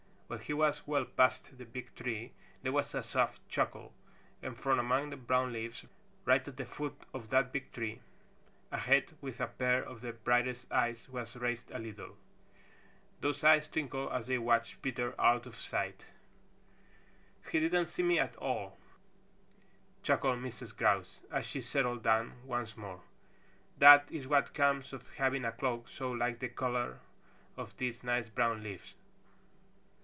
When he was well past the big tree there was a soft chuckle and from among the brown leaves right at the foot of that big tree a head with a pair of the brightest eyes was raised a little. Those eyes twinkled as they watched Peter out of sight. "He didn't see me at all," chuckled Mrs. Grouse, as she settled down once more. "That is what comes of having a cloak so like the color of these nice brown leaves.